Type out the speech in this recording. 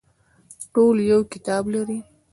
ټول یو کتاب لري